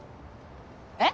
えっ？